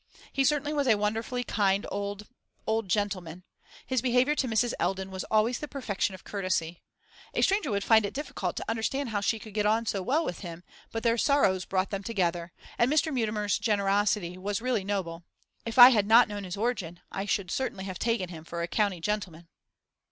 He certainly was a wonderfully kind old old gentleman; his behaviour to Mrs. Eldon was always the perfection of courtesy. A stranger would find it difficult to understand how she could get on so well with him, but their sorrows brought them together, and Mr. Mutimer's generosity was really noble. If I had not known his origin, I should certainly have taken him for a county gentleman.